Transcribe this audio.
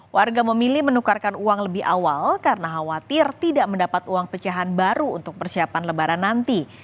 warga memilih menukarkan uang lebih awal karena khawatir tidak mendapat uang pecahan baru untuk persiapan lebaran nanti